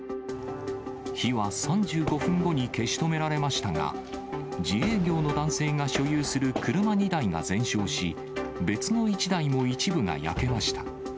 火は３５分後に消し止められましたが、自営業の男性が所有する車２台が全焼し、別の１台も一部が焼けました。